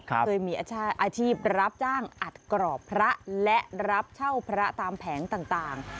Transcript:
เคยมีอาชีพรับจ้างอัดกรอบพระและรับเช่าพระตามแผงต่าง